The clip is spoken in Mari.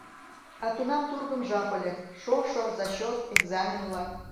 А тунам тургым жап ыле: шошо, зачёт, экзамен-влак...